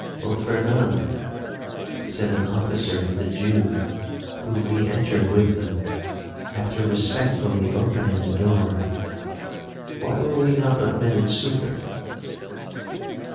'Don Fernan,' said an officer to the Jew, who re entered with them, after respectfully opening the door, 'why were we not admitted sooner?'